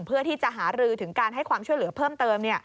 เพื่อที่จะหารือถึงการให้ความช่วยเหลือเพิ่มเติม